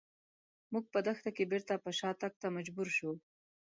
موږ په دښته کې بېرته پر شاتګ ته مجبور شوو.